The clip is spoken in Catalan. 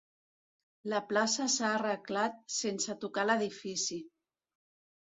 La plaça s'ha arreglat sense tocar l'edifici.